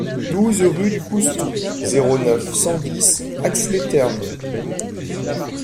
douze rue du Coustou, zéro neuf, cent dix, Ax-les-Thermes